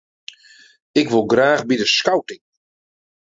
Ik wol graach by de skouting.